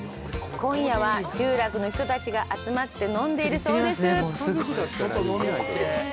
今夜は集落の人たちが集まって飲んでいるそうです。